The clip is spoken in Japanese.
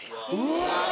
うわ！